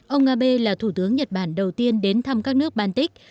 ông abe là thủ tướng nhật bản đầu tiên đến thăm các nước baltic